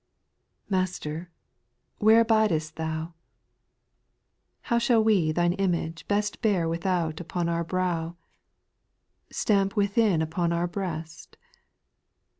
2. Master, where abidest Thou ? How shall we Thine image best Bear without upon our brow, Stamp within upon our breast